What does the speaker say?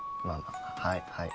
あはいはい